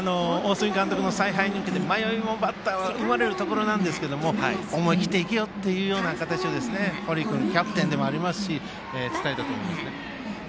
迷いもバッターは生まれるところなんですが思い切って行けよという形を堀君キャプテンでもありますしそのように伝えたと思います。